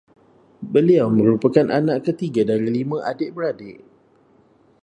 Beliau merupakan anak ketiga dari lima adik-beradik